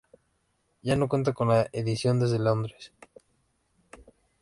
Ya no cuenta con la edición desde Londres.